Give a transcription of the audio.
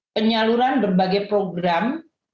penyaluran berbagai program